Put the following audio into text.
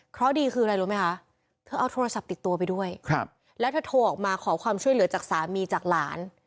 เพราะดีคืออะไรรู้ไหมคะเธอเอาโทรศัพท์ติดตัวไปด้วยแล้วเธอโทรออกมาขอความช่วยเหลือจากสามีจากหลาน